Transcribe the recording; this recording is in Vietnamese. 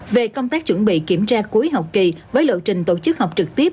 về công tác chuẩn bị kiểm tra cuối học kỳ với lộ trình tổ chức học trực tiếp